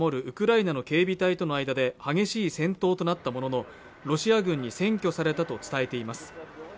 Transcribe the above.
ウクライナの警備隊との間で激しい戦闘となったもののロシア軍に占拠されたと伝えています